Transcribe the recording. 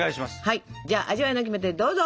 はいじゃあ味わいのキメテどうぞ！